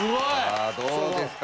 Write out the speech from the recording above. さあどうですか？